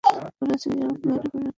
ওরা সিরিয়াল কিলারে পরিণত হয়েছে।